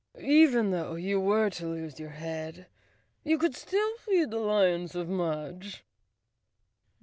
Even though you were to lose your head, you could still feed the lions of Mudge."